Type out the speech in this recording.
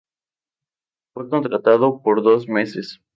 Fue contratado por dos meses.